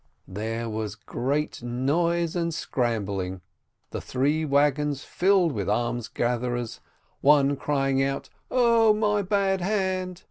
There was a great noise and scrambling, the three wagons filled with almsgatherers, one crying out, "0 my bad hand